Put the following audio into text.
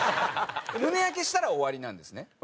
胸焼けしたら終わりなんですね。